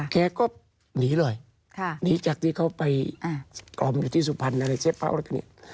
แกก็หนีเลยหนีจากที่เขาไปกรอบอยู่ที่สุพรรณอะไรเสพเผาอะไรแบบนี้